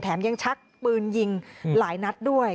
ยังชักปืนยิงหลายนัดด้วย